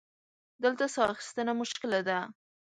دلته سا اخیستنه مشکله ده.